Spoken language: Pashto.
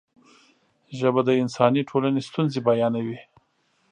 ژبه د انساني ټولنې ستونزې بیانوي.